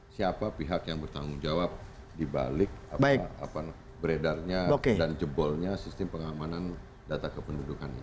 siapa pihak yang bertanggung jawab dibalik beredarnya dan jebolnya sistem pengamanan data kependudukan ini